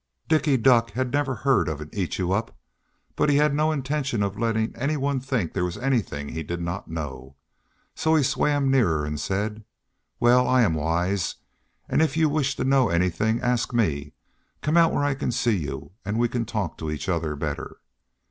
Dicky Duck had never heard of an Eatyoup, but he had no intention of letting anyone think there was anything he did not know, so he swam nearer and said, "Well, I am wise, and if you wish to know anything ask me. Come out where I can see you and we can talk to each other better."